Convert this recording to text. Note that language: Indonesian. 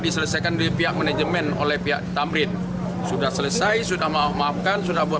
diselesaikan dari pihak manajemen oleh pihak tamrin sudah selesai sudah maafkan sudah buat